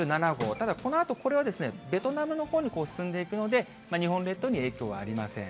ただ、このあとこれはベトナムのほうに進んでいくので、日本列島に影響はありません。